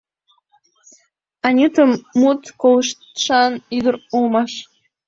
Анюта мут колыштшан ӱдыр улмаш.